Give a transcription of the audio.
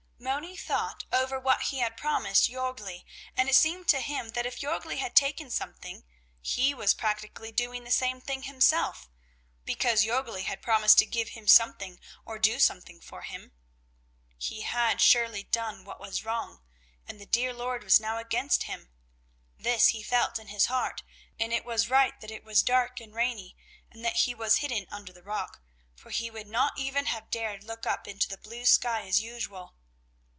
Moni thought over what he had promised Jörgli, and it seemed to him that if Jörgli had taken something, he was practically doing the same thing himself, because Jörgli had promised to give him something or do something for him. He had surely done what was wrong, and the dear Lord was now against him. This he felt in his heart, and it was right that it was dark and rainy and that he was hidden under the rock, for he would not even have dared look up into the blue sky, as usual.